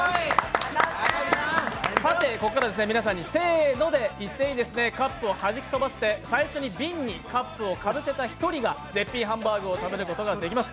さてここから皆さんにせーので一斉にカップをはじき飛ばして最初に瓶にカップをかぶせた１人が絶品ハンバーグを食べることができます。